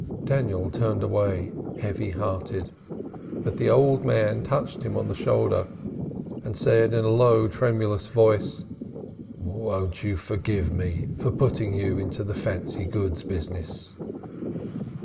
Daniel turned away heavy hearted, but the old man touched him on the shoulder and said in a low tremulous voice: "Won't you forgive me for putting you into the fancy goods?"